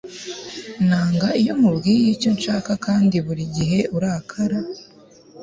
nanga iyo nkubwiye icyo nshaka kandi burigihe urakara